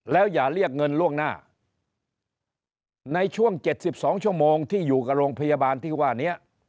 แล้วอย่าเรียกเงินล่วงหน้าในช่วง๗๒ชั่วโมงที่อยู่กับโรงพยาบาลที่ว่านี้